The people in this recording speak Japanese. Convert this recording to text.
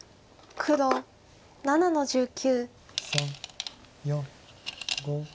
黒８の十九。